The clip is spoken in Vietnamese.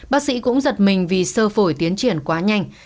bác sĩ cũng giật mình vì sơ phổi tiến triển quá nhanh